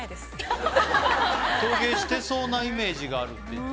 陶芸してそうなイメージがあるって言ってましたよね。